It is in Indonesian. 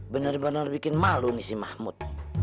bener bener bikin malu nih si mahmud